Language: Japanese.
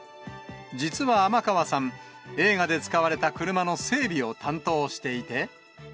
実は天川さん、映画で使われた車の整備を担当していて。